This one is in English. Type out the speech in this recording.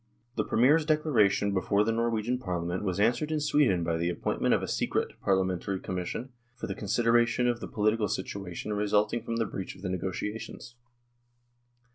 The Premier's declaration before the Norwegian Parliament was answered in Sweden by the appoint ment of a "secret" Parliamentary Commission for the consideration of the political situation resulting from the breach of the negotiations.